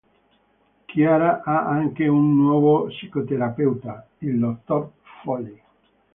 Chiara ha anche un nuovo psicoterapeuta, il dottor Folli.